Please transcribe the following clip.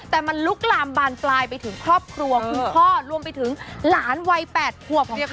แต่มันลุกลามบานกลายไปถึงครอบครัวคุณพ่อรวมไปถึงหลานวัยแปดหัวของเขานั่นเอง